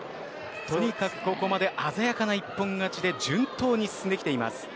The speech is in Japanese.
とにかくここまで鮮やかな一本勝ちで順当に進んできています。